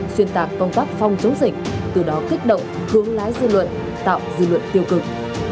xuyên tạc công tác phòng chống dịch từ đó kích động hướng lái dư luận tạo dư luận tiêu cực